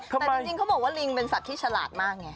แต่จริงเขาบอกว่าลิงเป็นสัตว์ที่ฉลาดมากไง